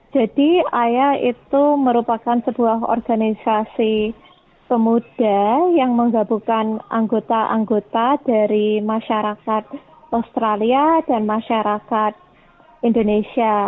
jadi aya itu merupakan sebuah organisasi pemuda yang menggabungkan anggota anggota dari masyarakat australia dan masyarakat indonesia